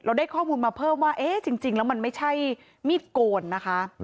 ได้ข้อมูลมาเพิ่มว่าเอ๊ะจริงแล้วมันไม่ใช่มีดโกนนะคะ